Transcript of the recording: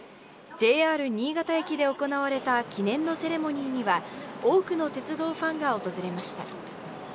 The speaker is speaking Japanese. ＪＲ新潟駅で行われた記念のセレモニーには、多くの鉄道ファンが訪れました。